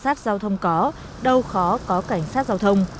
cảnh sát giao thông có đâu khó có cảnh sát giao thông